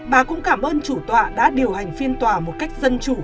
bà cũng cảm ơn chủ tọa đã điều hành phiên tòa một cách dân chủ